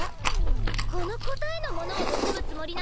このこたえのものをぬすむつもりなんだ。